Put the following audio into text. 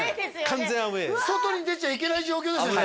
完全アウェー外に出ちゃいけない状況ですよね